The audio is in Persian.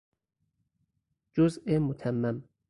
جزء متمم